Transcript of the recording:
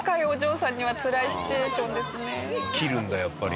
切るんだやっぱり。